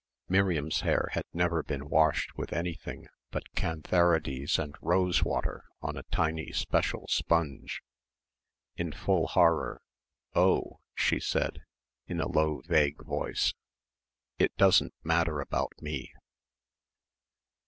Miriam's hair had never been washed with anything but cantharides and rose water on a tiny special sponge. In full horror, "Oh," she said, in a low vague voice, "it doesn't matter about me."